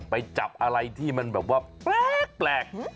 ไปจับอะไรที่มันแบบว่าแปลก